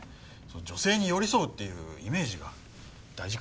女性に寄り添うっていうイメージが大事か。